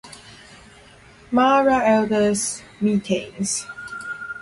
Mara Elders Meetings.